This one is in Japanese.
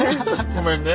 ごめんね。